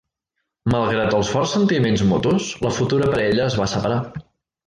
Malgrat els forts sentiments mutus, la futura parella es va separar.